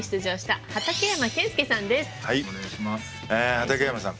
畠山さん